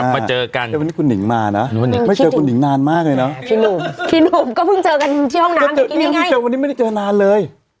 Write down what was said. พี่หนุ่มก็เพิ่งเจอกันที่ห้องน้ำอยู่นี่ไง